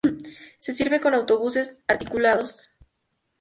Se sirve con autobuses articulados.